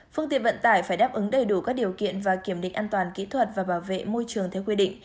phương tiện vận tải phải đáp ứng đầy đủ các điều kiện và kiểm định an toàn kỹ thuật và bảo vệ môi trường theo quy định